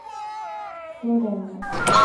Florânia